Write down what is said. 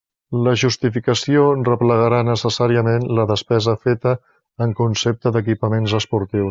La justificació replegarà necessàriament la despesa feta en concepte d'equipaments esportius.